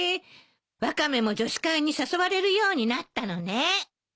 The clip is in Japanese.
ワカメも女子会に誘われるようになったのね。